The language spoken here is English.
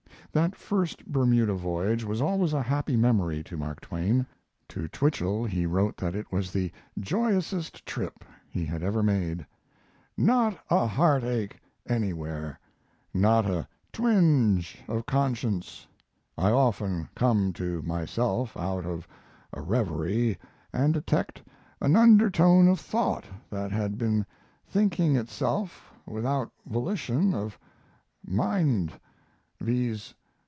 That first Bermuda voyage was always a happy memory to Mark Twain. To Twichell he wrote that it was the "joyousest trip" he had ever made: Not a heartache anywhere, not a twinge of conscience. I often come to myself out of a reverie and detect an undertone of thought that had been thinking itself without volition of mind viz.